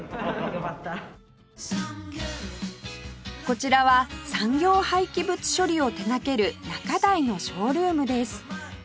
こちらは産業廃棄物処理を手掛けるナカダイのショールームです